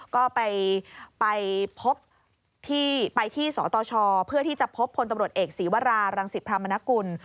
ก็ไปพบที่ไปที่สตชเพื่อที่จะพบพลตำรวจเอกศีวรารังศิพรามนกุล